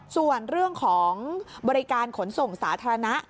ส่วนเรื่องของบริการขนส่งสาธารณะ